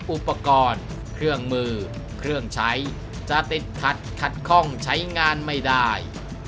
อุปกรณ์เครื่องมือเครื่องใช้จะติดขัดขัดข้องใช้งานไม่ได้